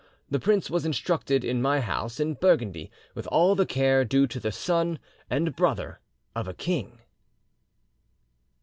The prince was instructed in my house in Burgundy, with all the care due to the son and brother of a king.